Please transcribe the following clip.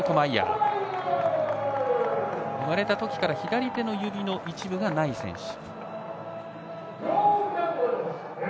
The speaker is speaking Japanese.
生まれたときから左手の指の一部がない選手。